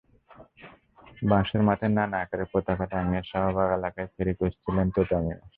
বাঁশের মাথায় নানা আকারের পতাকা টাঙিয়ে শাহবাগ এলাকায় ফেরি করছিলেন তোতা মিয়া।